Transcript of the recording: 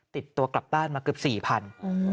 ติดตัวกลับบ้านมาเกือบ๔๐๐บาท